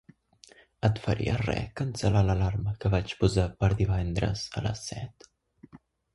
Et faria res cancel·lar l'alarma que vaig posar per divendres a les set?